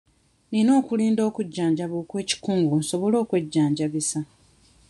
Nina kulinda kujjanjaba okw'ekikungo nsobole okwejjanjabisa.